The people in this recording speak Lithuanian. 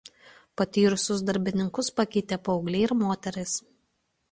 Patyrusius darbininkus pakeitė paaugliai ir moterys.